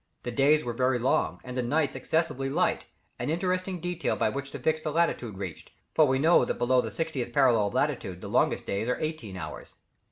The days were very long, and the nights excessively light, an interesting detail by which to fix the latitude reached, for we know that below the 60th parallel of latitude the longest days are eighteen hours.